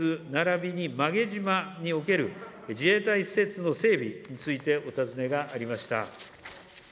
ならびに、馬毛島における自衛隊施設の整備についてお尋ねがありました。